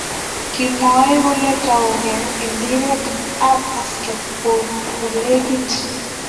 Kimwoe kole toukei imbiret ab baseball kolekit